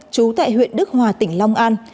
chú tại huyện đức hòa tỉnh long an